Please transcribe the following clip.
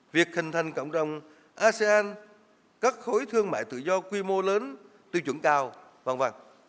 việc hình thành cộng đồng asean các khối thương mại tự do quy mô lớn tiêu chuẩn cao v v